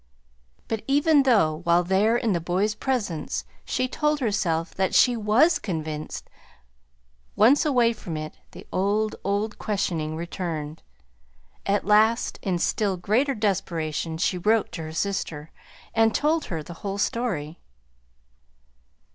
But, even though while there in the boy's presence, she told herself that she WAS convinced, once away from it, the old, old questioning returned. At last, in still greater desperation, she wrote to her sister, and told her the whole story.